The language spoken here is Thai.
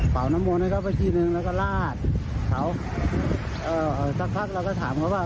น้ำมนต์ให้เขาไปทีนึงแล้วก็ลาดเขาเอ่อสักพักเราก็ถามเขาว่า